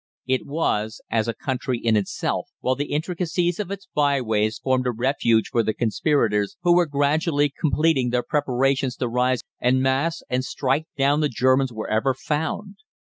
It was as a country in itself, while the intricacies of its by ways formed a refuge for the conspirators, who were gradually completing their preparations to rise en masse and strike down the Germans wherever found.